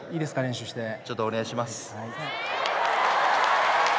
ちょっとお願いします。